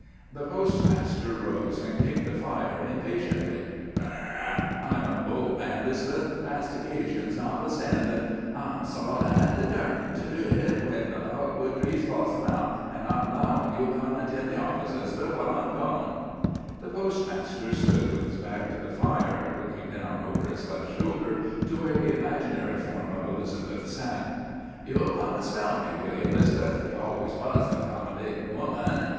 _" The postmaster rose and kicked the fire impatiently. "Bah! I'm a bold man, 'Liz'beth, past occasions notwithstandin'. I'm sot an' detarmined to do hit when the dogwood trees blossom out, an' I'm 'lowin' you'll come an' tend the office, 'Liz'beth, while I'm gone." The postmaster stood with his back to the fire, looking down over his left shoulder to where the imaginary form of Elizabeth sat. "You'll come an' spell me, will ye, 'Liz'beth? You allus was a 'commodatin' woman.